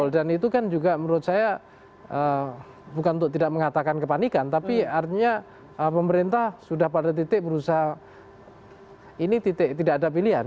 dan itu kan juga menurut saya bukan untuk tidak mengatakan kepanikan tapi artinya pemerintah sudah pada titik berusaha ini tidak ada pilihan